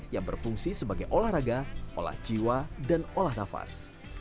yang berfungsi sebagai olahraga olah jiwa dan olah nafas